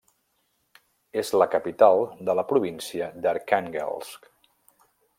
És la capital de la província d'Arkhànguelsk.